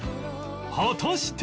果たして？